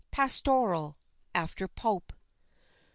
PASTORAL, AFTER POPE.